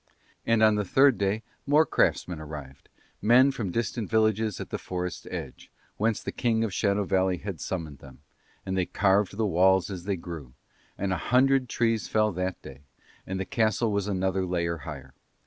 And on the third day more craftsmen arrived, men from distant villages at the forest's edge, whence the King of Shadow Valley had summoned them; and they carved the walls as they grew. And a hundred trees fell that day, and the castle was another layer higher.